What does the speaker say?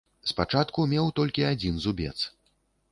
Спачатку меў толькі адзін зубец.